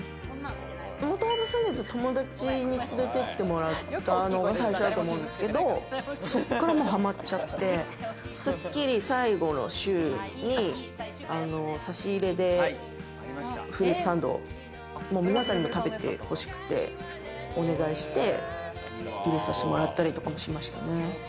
もともと住んでた友達に連れてってもらったのが最初だと思うんですけどそっから、はまっちゃって、『スッキリ』最後の週に差し入れでフルーツサンドを皆さんに食べて欲しくてお願いして入れさせてもらったりもしましたね。